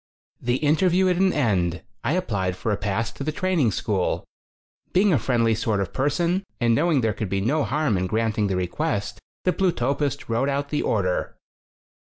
*:<<?♦ The interview at an end, I applied for a pass to the training school. Being a friendly sort of person and knowing there could be no harm in granting the request, the Plutopist wrote out the order.